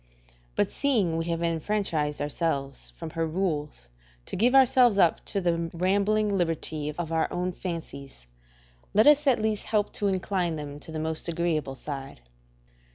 But seeing we have enfranchised ourselves from her rules to give ourselves up to the rambling liberty of our own fancies, let us at least help to incline them to the most agreeable side.